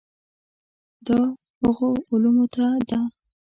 دا هغو علومو ته ده.